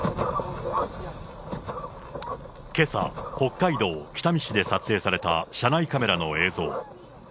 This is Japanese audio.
けさ、北海道北見市で撮影された車内カメラの映像。